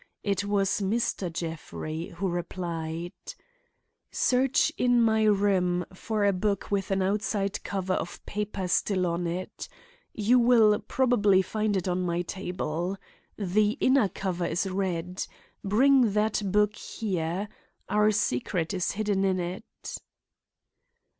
It was Mr. Jeffrey who replied: "Search in my room for a book with an outside cover of paper still on it. You will probably find it on my table. The inner cover is red. Bring that book here. Our secret is hidden in it."